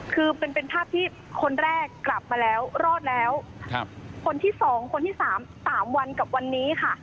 คือเป็นภาพที่คนแรกกลับมาแล้วรอดแล้วคนที่สองคนที่สามสามวันกับวันนี้ค่ะ